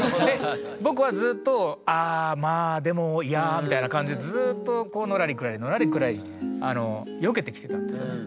僕はずっとああまあでもいやみたいな感じでずっとのらりくらりのらりくらりよけてきてたんですね。